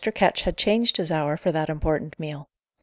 Ketch had changed his hour for that important meal.